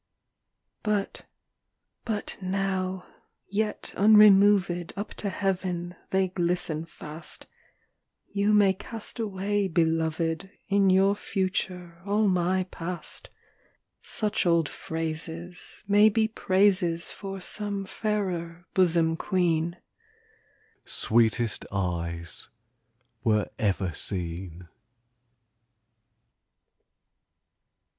XVII. But but now yet unremovèd Up to heaven, they glisten fast; You may cast away, Belovèd, In your future all my past: Such old phrases May be praises For some fairer bosom queen "Sweetest eyes were ever seen!"